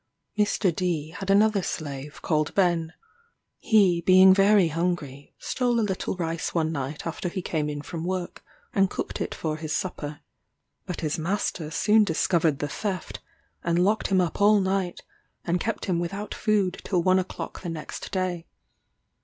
Mr. D had another slave called Ben. He being very hungry, stole a little rice one night after he came in from work, and cooked it for his supper. But his master soon discovered the theft; locked him up all night; and kept him without food till one o'clock the next day.